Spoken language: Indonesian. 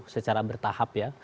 secara bertahap ya